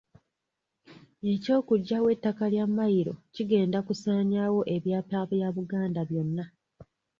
Eky'okuggyawo ettaka lya Mmayiro kigenda kusaanyaawo ebyapa bya Buganda byonna.